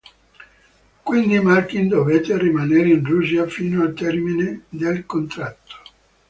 Quindi Malkin dovette rimanere in Russia fino al termine del contratto.